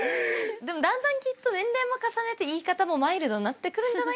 でもだんだんきっと年齢も重ねて言い方もマイルドになってくるんじゃないかな。